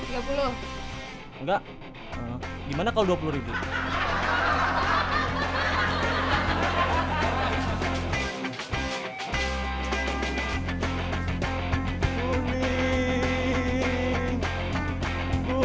enggak gimana kalau dua puluh ribu